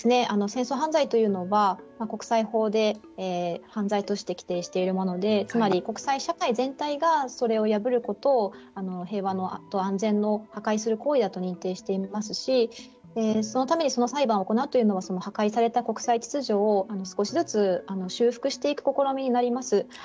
戦争犯罪というのは国際法で犯罪として規定しているものでつまり国際社会全体がそれを破ることを平和と安全を破壊する行為だと認定していますしそのためにその裁判を行うというのは破壊された国際秩序を少しずつ修復していく試みになります。